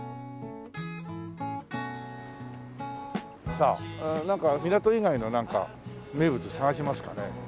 さあなんか港以外の名物探しますかね。